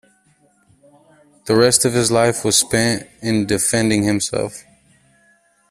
The rest of his life was spent in defending himself.